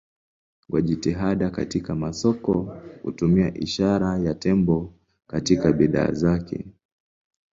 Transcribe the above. Kwa jitihada katika masoko hutumia ishara ya tembo katika bidhaa zake.